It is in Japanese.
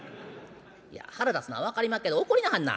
いや腹立つのは分かりまっけど怒りなはんな。